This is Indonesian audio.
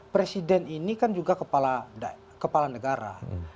presiden ini kan juga kepala negara